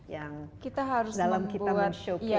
yang dalam kita men showcase dan men show off ini